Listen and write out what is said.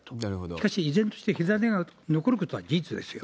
しかし依然として火種が残ることは事実ですよ。